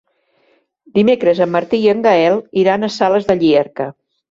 Dimecres en Martí i en Gaël iran a Sales de Llierca.